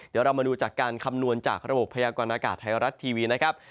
เดี๋ยวเรามาดูจากการคำนวณจากระบบพยากรณากาศไทยรัฐทีวีนะครับ